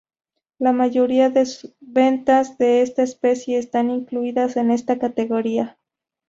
La mayoría de ventas de esta especie están incluidas en esta categoría.